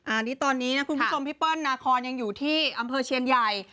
อันนี้ตอนนี้นะคุณผู้ชมพี่เปิ้ลนาคอนยังอยู่ที่อำเภอเชียนใหญ่